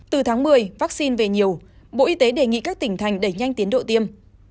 từ tháng một mươi vaccine về nhiều bộ y tế đề nghị các tỉnh thành đẩy nhanh tiến độ tiêm